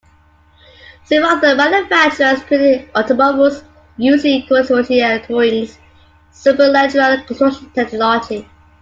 Several other manufacturers created automobiles using Carozzeria Touring's superleggera construction technology.